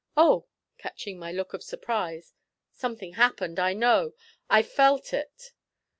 Oh!' catching my look of surprise, 'something happened, I know. I felt it.'